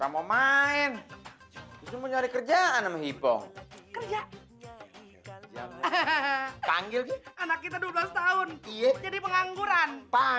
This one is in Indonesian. mau main mencari kerjaan hipo kerja hahaha panggil anak kita dua belas tahun jadi pengangguran